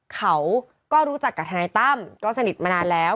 เขาก็รู้จักกับทนายตั้มก็สนิทมานานแล้ว